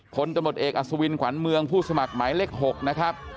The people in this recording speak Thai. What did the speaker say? ผลตำรวจเอกอัศวินขวัญเมืองผู้สมัครหมายเลข๖นะครับ